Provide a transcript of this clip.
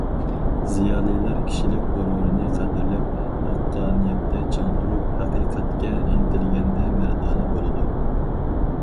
زىيالىيلار كىشىلىك غۇرۇرىنى قەدىرلەپ، ھەققانىيەتتە چىڭ تۇرۇپ، ھەقىقەتكە ئىنتىلگەندە مەردانە بولىدۇ.